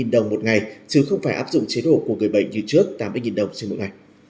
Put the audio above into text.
một trăm đồng một ngày chứ không phải áp dụng chế độ của người bệnh như trước tám mươi đồng trên mỗi ngày